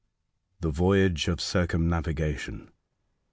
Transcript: THE VOYAGE OF CIRCUMNAVIGATION.